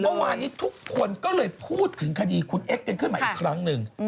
เมื่อวานนี้ทุกคนก็เลยพูดถึงคดีคุณเอ็กซ์ขึ้นมาอีกครั้งหนึ่ง